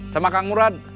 sama kang murad